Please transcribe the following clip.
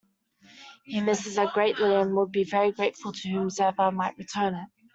He misses it greatly and would be very grateful to whomsoever might return it.